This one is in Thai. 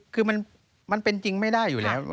คือมันเป็นจริงไม่ได้อยู่แล้ว